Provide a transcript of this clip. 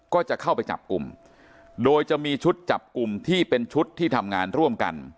ก็จะเข้าไปจับกลุ่มโดยจะมีชุดจับกลุ่มที่เป็นชุดที่ทำงานร่วมกัน